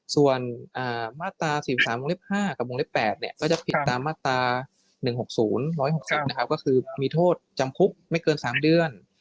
ส่วนมาตรา๔๓วงเล็ก๕กับวงเล็ก๘ก็จะผิดตามมาตรา๑๖๐มีโทษจำพุกไม่เกิน๓เดือน